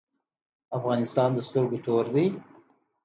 افغانستان د سترګو تور دی؟